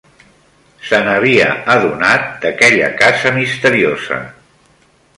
Se'n havia adonat, d'aquella casa misteriosa